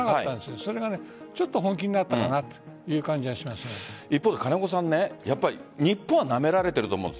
それがちょっと本気になったかなという一方で日本はなめられていると思うんです。